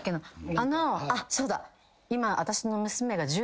あのあっそうだ。